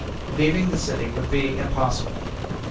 Leaving the city would be impossible.